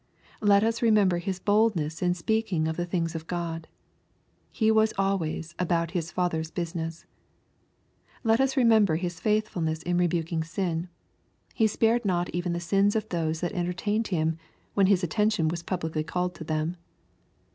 Let us remember His boldness in speaking of the things of God. He was always " about His Father's business." —Let us remember His faithfulness in rebuking sin. He spared not even the sins of those that entertained Him, when His attention was publicly called to them.